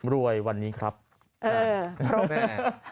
รวยวันนี้ครับพรุ่งแม่๓๕๓